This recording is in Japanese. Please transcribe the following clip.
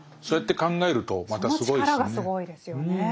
そうやって考えるとまたすごいですね。